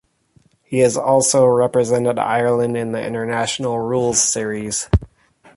He has also represented Ireland in the International Rules Series.